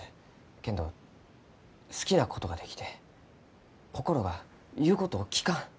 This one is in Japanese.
けんど好きなことができて心が言うことを聞かん。